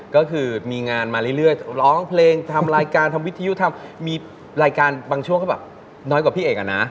ก็คือมีงานมาเรื่อยร้องเพลงทำรายการทำวิทยุทำมีรายการบางช่วงก็แบบน้อยกว่าพี่เอกอะนะ